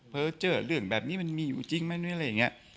เพอร์เจอร์เรื่องแบบนี้มันมีอยู่จริงไหมอะไรอย่างเงี้ย